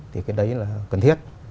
thì cái đấy là cần thiết